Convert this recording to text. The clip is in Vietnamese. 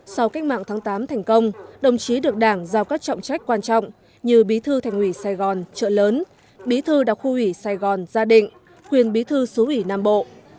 sau cách mạng tháng tám thành công đồng chí được đảng giao các trọng trách quan trọng như bí thư thành ủy sài gòn trợ lớn bí thư đặc khu ủy sài gòn gia định quyền bí thư xứ ủy nam bộ